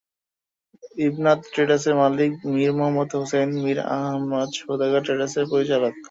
ইবনাত ট্রেডার্সের মালিক মীর মোহাম্মদ হোসাইন মীর আহমেদ সওদাগর ট্রেডার্সেরও পরিচালক।